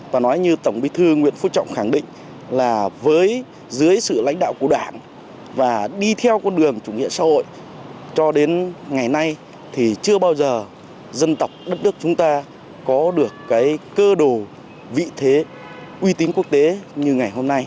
và nói như tổng bí thư nguyễn phú trọng khẳng định là với dưới sự lãnh đạo của đảng và đi theo con đường chủ nghĩa xã hội cho đến ngày nay thì chưa bao giờ dân tộc đất nước chúng ta có được cái cơ đồ vị thế uy tín quốc tế như ngày hôm nay